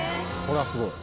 これはすごい。